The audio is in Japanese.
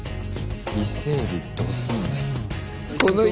伊勢エビどうすんの？